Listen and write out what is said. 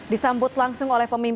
disambut langsung oleh pemimpinnya